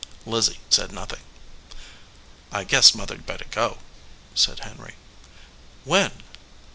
Lizzie said nothing. "I guess Mother d better go," said Henry. "When?"